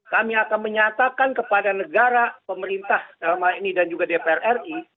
kami akan menyatakan kepada negara pemerintah dalam hal ini dan juga dpr ri